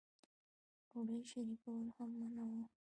ډوډۍ شریکول هم منع وو.